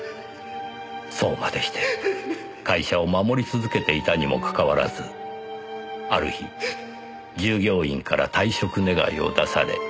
そうまでして会社を守り続けていたにもかかわらずある日従業員から退職願を出され。